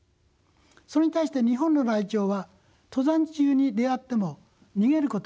それに対して日本のライチョウは登山中に出会っても逃げることはしません。